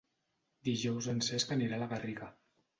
Dijous en Cesc anirà a la Garriga.